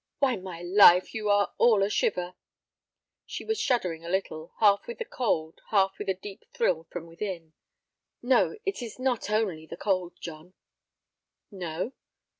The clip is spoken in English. "Why, my life, you are all a shiver!" She was shuddering a little—half with the cold, half with a deep thrill from within. "No, it is not only the cold, John." "No?"